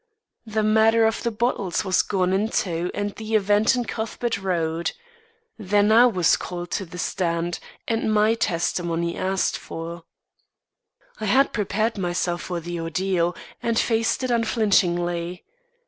The matter of the bottles was gone into and the event in Cuthbert Road. Then I was called to the stand, and my testimony asked for. I had prepared myself for the ordeal and faced it unflinchingly.